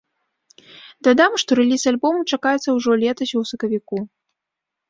Дадам, што рэліз альбому чакаецца ўжо летась у сакавіку.